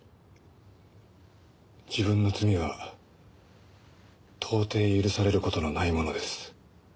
自分の罪は到底許されることのないものです。